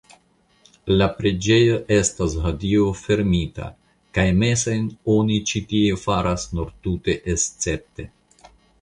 La preĝejo estas hodiaŭ fermita kaj mesojn oni ĉi tie faras nur tute escepte.